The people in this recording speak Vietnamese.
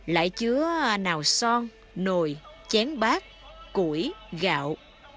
lại chứa nào son nồi chén bát củi gạo